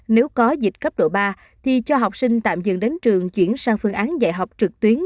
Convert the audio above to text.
nếu có dịch cấp độ ba thì cho học sinh tạm dừng đến trường chuyển sang phương án dạy học trực tuyến